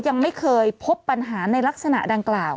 ยังไม่เคยพบปัญหาในลักษณะดังกล่าว